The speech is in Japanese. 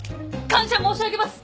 感謝申し上げます！